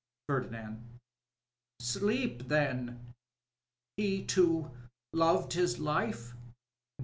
Pbrdinand.— Sleep, then .. He too, loved his life?